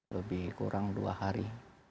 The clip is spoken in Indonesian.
lebih kurang dua hari